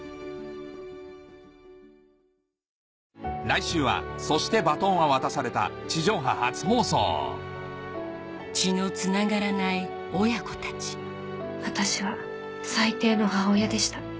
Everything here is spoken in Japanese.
来週は『そして、バトンは渡された』地上波初放送私は最低の母親でした。